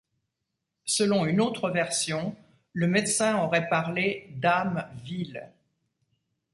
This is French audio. Selon une autre version, le médecin aurait parlé d'âme vile.